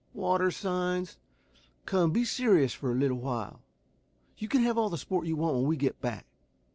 "Water signs. Come, be serious for a little while. You can have all the sport you want when we get back.